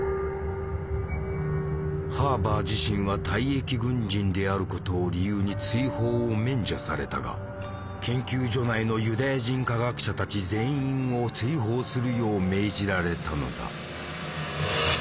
ハーバー自身は退役軍人であることを理由に追放を免除されたが研究所内のユダヤ人科学者たち全員を追放するよう命じられたのだ。